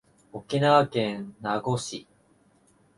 沖縄県名護市